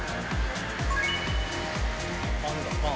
パンだパン。